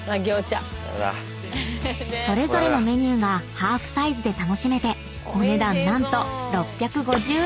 ［それぞれのメニューがハーフサイズで楽しめてお値段何と］